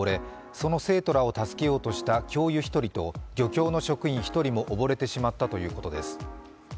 その生徒らを助けようとした教諭１人と漁協の職員１人も溺れてしまったということです。